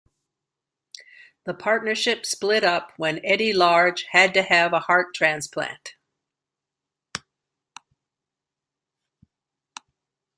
The partnership split up when Eddie Large had to have a heart transplant.